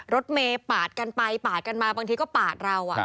รถเมย์ปาดกันไปปาดกันมาบางทีก็ปาดเรา